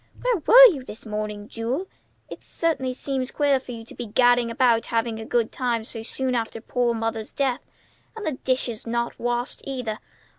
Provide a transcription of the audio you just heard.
"Where were you this morning, Jule? It certainly seems queer for you to be gadding around having a good time so soon after poor mother's death. And the dishes not washed, either!